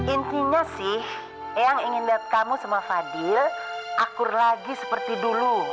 intinya sih yang ingin lihat kamu sama fadil akur lagi seperti dulu